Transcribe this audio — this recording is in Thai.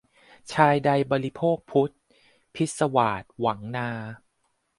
ชายใดบริโภคภุญช์ พิศวาส หวังนา